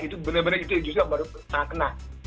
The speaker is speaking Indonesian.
itu bener bener justru yang baru sangat kena